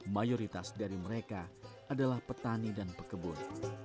mayoritas dari mereka adalah petani dan pekebun